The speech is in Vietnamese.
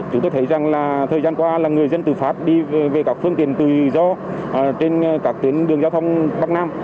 chúng tôi thấy rằng là thời gian qua là người dân từ pháp đi về các phương tiện tự do trên các tuyến đường giao thông bắc nam